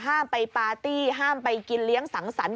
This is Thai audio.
ห้ามไปปาร์ตี้ห้ามไปกินเลี้ยงสังสรรค